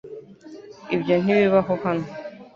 Ibyo ntibibaho hano .